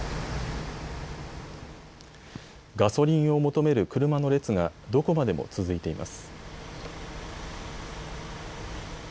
ガソリンを求める車の列がどこまでも続いています。